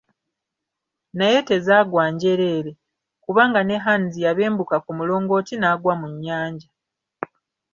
Naye tezaagwa njereere: kubanga ne Hands yabembuka ku mulongooti n'agwa mu nnyanja.